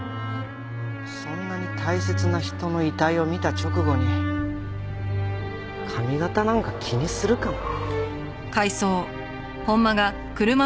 そんなに大切な人の遺体を見た直後に髪形なんか気にするかなあ。